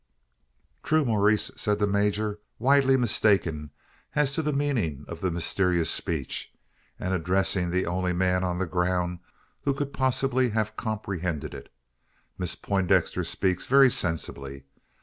"True, Maurice!" said the major, widely mistaken as to the meaning of the mysterious speech, and addressing the only man on the ground who could possibly have comprehended it; "Miss Poindexter speaks very sensibly.